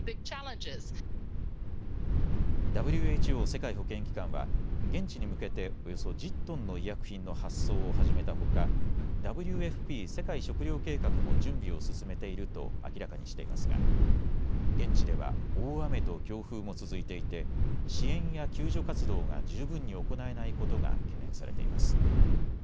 ＷＨＯ・世界保健機関は現地に向けておよそ１０トンの医薬品の発送を始めたほかＷＦＰ・世界食糧計画も準備を進めていると明らかにしてますが現地では大雨と強風も続いていて支援や救助活動が十分に行えないことが懸念されています。